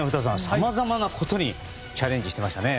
さまざまなことにチャレンジしてましたね